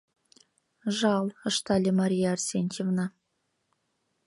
— Жал, — ыштале Мария Арсентьевна.